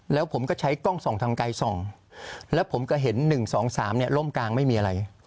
แล้วผมก็ใช้กล้องส่องทางไกลส่องแล้วผมก็เห็น๑๒๓เนี่ยล่มกลางไม่มีอะไร